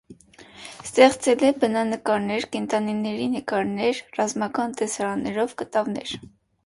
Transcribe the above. Ստեղծել է բնանկարներ, կենդանիների նկարներ, ռազմական տեսարաններով կտավներ։